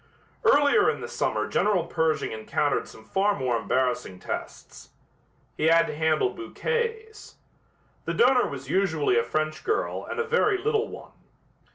Earlier in the summer General Pershing encountered some far more embarrassing tests. He had to handle bouquets. The donor was usually a French girl and a very little one.